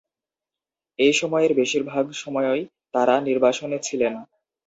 এই সময়ের বেশির ভাগ সময়ই তারা নির্বাসনে ছিলেন।